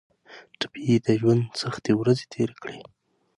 ټپي د ژوند سختې ورځې تېرې کړي.